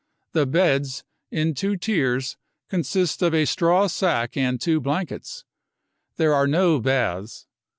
The beds, in two tiers, consist of a straw sack and 2 blankets. There are no baths.